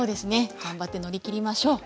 頑張って乗り切りましょう。